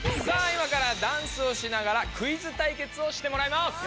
さあいまからダンスをしながらクイズ対決をしてもらいます！